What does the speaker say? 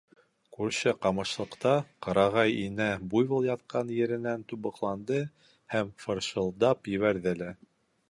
Күрше ҡамышлыҡта ҡырағай инә буйвол ятҡан еренән тубыҡланды һәм фыршылдап ебәрҙе лә: